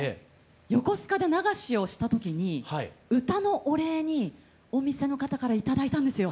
横須賀で流しをした時に歌のお礼にお店の方から頂いたんですよ。